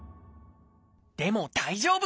でも大丈夫！